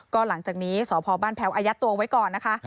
ก็หลังจากนี้สพบ้านแพ้วอายัดตัวไว้ก่อนนะคะ